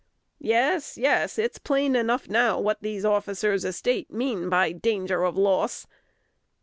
Yes, yes: it's plain enough now what these officers of State mean by 'danger of loss.'